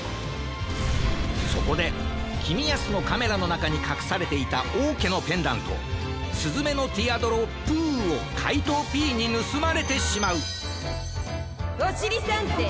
そこできみやすのカメラのなかにかくされていたおうけのペンダント「すずめのティアドロップゥ」をかいとうＰにぬすまれてしまう・おしりたんてい！